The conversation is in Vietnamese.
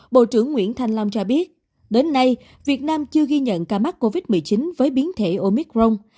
bộ trưởng nguyễn thanh long cho biết đến nay việt nam chưa ghi nhận ca mắc covid một mươi chín với biến thể omicron